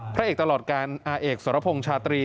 พระเอกตลอดการอาเอกสรพงษ์ชาตรี